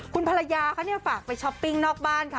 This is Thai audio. คุณภรรยาเขาฝากไปช็อปปิงนอกบ้านค่ะ